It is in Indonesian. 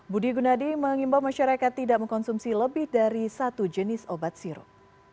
budi gunadi mengimbau masyarakat tidak mengkonsumsi lebih dari satu jenis obat sirup